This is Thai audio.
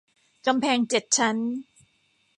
กำแพงเจ็ดชั้น